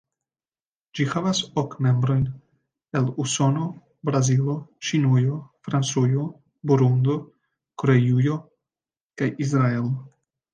Ĝi havas ok membrojn, el Usono, Brazilo, Ĉinujo, Francujo, Burundo, Koreujo kaj Israelo.